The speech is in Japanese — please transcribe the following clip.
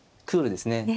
クールですね。